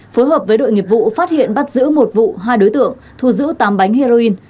phối hợp với đội nghiệp vụ phát hiện bắt giữ một vụ hai đối tượng thu giữ tám bánh heroin